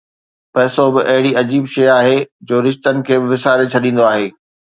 پئسو به اهڙي عجيب شيءِ آهي جو رشتن کي به وساري ڇڏيندو آهي